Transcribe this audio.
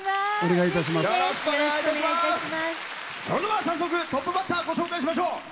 それでは早速トップバッターご紹介しましょう。